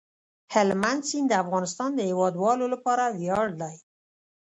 هلمند سیند د افغانستان د هیوادوالو لپاره ویاړ دی.